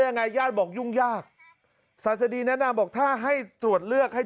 ยังไงญาติบอกยุ่งยากศาสดีแนะนำบอกถ้าให้ตรวจเลือกให้